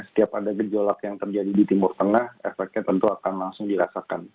setiap ada gejolak yang terjadi di timur tengah efeknya tentu akan langsung dirasakan